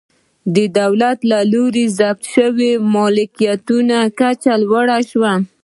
د دولت له لوري د ضبط شویو ملکیتونو کچه لوړه شوه